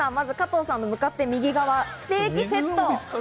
加藤さんに向かって右側、ステーキセット。